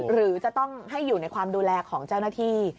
หรือจะต้องให้อยู่ในความดูแลของเจ้าหน้าที่